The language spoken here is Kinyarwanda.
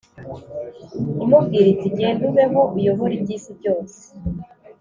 imubwira iti: genda ubeho uyobore iby’isi byose